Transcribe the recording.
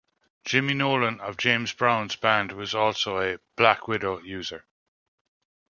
Jimmy Nolen of James Brown's band was also a "Black Widow" user.